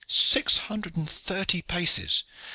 "Six hundred and thirty paces!